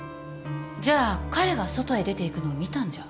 じゃあ彼が外へ出ていくのを見たんじゃ。